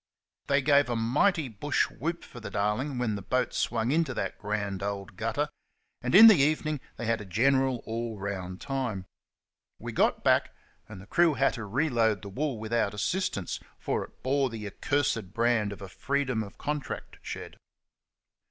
They gave a mighty bush whoop for the Darling when the boat swung into that grand old gutter, and in the evening they had a general all round time. We got back, and the crew had to reload the wool without assistance, for it bore the accursed brand of a "freedom of contract" shed.